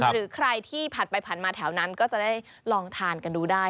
หรือใครที่ผ่านไปผ่านมาแถวนั้นก็จะได้ลองทานกันดูได้